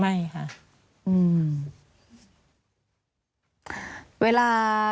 ไม่ค่ะ